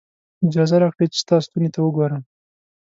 اجازه راکړئ چې ستا ستوني ته وګورم.